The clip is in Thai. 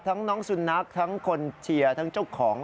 น้องสุนัขทั้งคนเชียร์ทั้งเจ้าของ